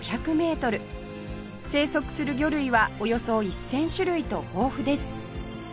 生息する魚類はおよそ１０００種類と豊富です